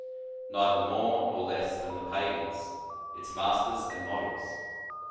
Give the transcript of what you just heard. Neither more nor less than the pagans, its masters and models.